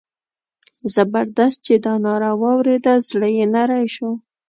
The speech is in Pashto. زبردست چې دا ناره واورېده زړه یې نری شو.